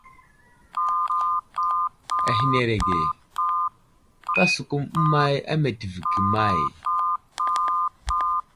Ahənerege :» kəsəkum əmay á meltivi ge may ?«.